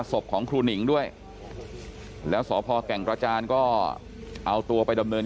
ศพของครูหนิงด้วยแล้วสพแก่งกระจานก็เอาตัวไปดำเนิน